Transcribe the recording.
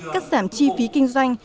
cắt giảm chi phí kinh doanh